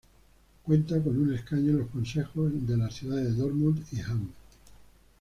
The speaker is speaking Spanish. Cuenta con un escaño en los consejos de las ciudades de Dortmund y Hamm.